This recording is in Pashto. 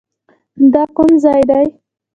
دا کوم ځای دی؟